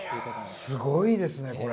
すごいですねこれ。